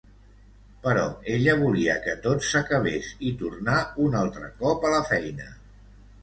Però ella volia que tot s'acabés i tornar un altre cop a la feina.